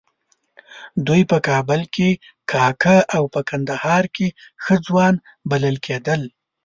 دوی په کابل کې کاکه او په کندهار کې ښه ځوان بلل کېدل.